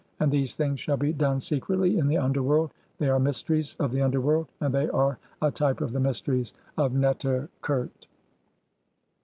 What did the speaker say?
AND THESE THINGS SHALL BE DONE SECRETLY IN THE UNDERWORLD, THEY ARE MYSTERIES OF THE UNDERWORLD, AND THEY ARE (39) A TYPE OF THE MYSTERIES OF NKTER KHERT.